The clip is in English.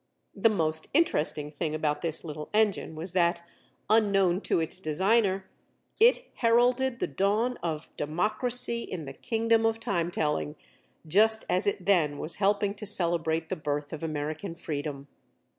The most interesting thing about this little engine was that, unknown to its designer, it heralded the dawn of Democracy in the Kingdom of Time telling, just as it then was helping to celebrate the birth of American freedom.